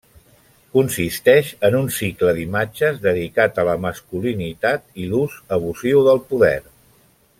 Consisteix en un cicle d’imatges dedicat a la masculinitat i l’ús abusiu del poder.